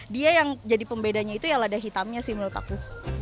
dia yang jadi pembedanya itu ya lada hitamnya sih menurut aku